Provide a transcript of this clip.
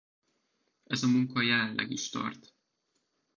Ez a munka jelenleg is tart.